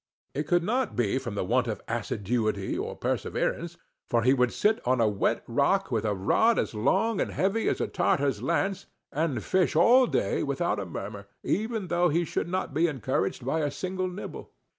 It could not be from the want of assiduity or perseverance; for he would sit on a wet rock, with a rod as long and heavy as a Tartar's lance, and fish all day without a murmur, even though he should not be encouraged by a single nibble.